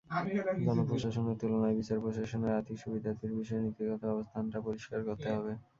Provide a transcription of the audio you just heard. জনপ্রশাসনের তুলনায় বিচার প্রশাসনের আর্থিক সুবিধাদির বিষয়ে নীতিগত অবস্থানটা পরিষ্কার করতে হবে।